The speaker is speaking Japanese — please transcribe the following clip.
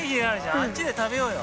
あっちで食べようよ。